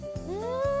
うん！